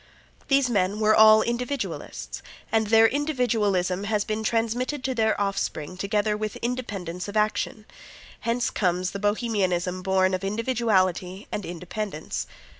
These men were all individualists, and their individualism has been transmitted to their offspring together with independence of action. Hence comes the Bohemianism born of individuality and independence.